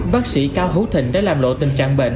bác sĩ cao hữu thịnh đã làm lộ tình trạng bệnh